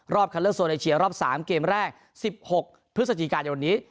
รอบคันเลือดโซนไอเชียรอบ๓เกมแรก๑๖พฤศจีการในวันนี้